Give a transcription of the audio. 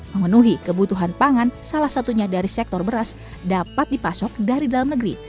memenuhi kebutuhan pangan salah satunya dari sektor beras dapat dipasok dari dalam negeri